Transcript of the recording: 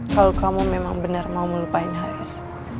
kalau kamu memang benar mau melupain halis